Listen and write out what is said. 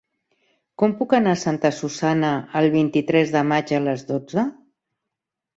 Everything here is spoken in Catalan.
Com puc anar a Santa Susanna el vint-i-tres de maig a les dotze?